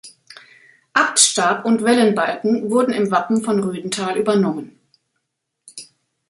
Abtstab und Wellenbalken wurden im Wappen von Rödental übernommen.